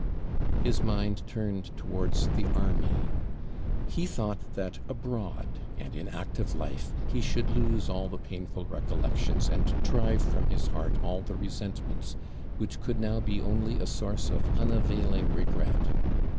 His mind turned towards the army; he thought that abroad, and in active life, he should lose all the painful recollections, and drive from his heart all the resentments, which could now be only a source of unavailing regret.